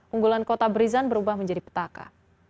unggulan kota brisan berubah menjadi petaka